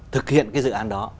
thực hiện cái dự án đó